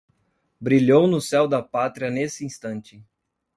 Brilhou no céu da Pátria nesse instante